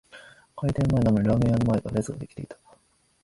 開店前なのにラーメン屋の前では列が出来ていた